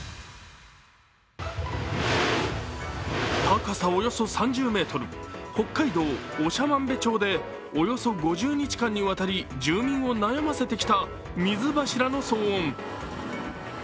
高さおよそ３０ｍ、北海道長万部町でおよそ５０日間にわたり住民を悩ませてきた水柱の騒音。